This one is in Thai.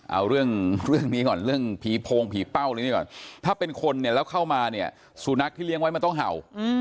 เอาเรื่องนี้ก่อนเรื่องผีโพงผีเป้าเรื่องนี้ก่อนถ้าเป็นคนเนี่ยแล้วเข้ามาเนี่ยสุนัขที่เลี้ยงไว้มันต้องเห่า